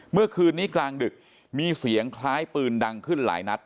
เมื่อคืนนี้กลางดึกมีเสียงคล้ายปืนดังขึ้นหลายนัด